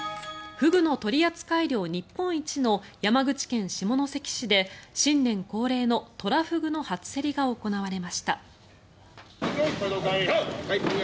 フグの取扱量日本一の山口県下関市で新年恒例のトラフグの初競りが行われました。